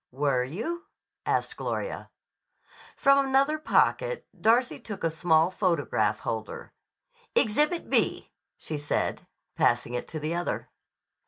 '" "Were you?" asked Gloria. From another pocket Darcy took a small photograph holder. "Exhibit B," she said, passing it to the other.